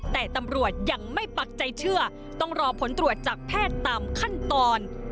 แต่ตำรวจยังไม่ปักใจเชื่อต้องรอผลตรวจจากแพทย์ตามขั้นตอน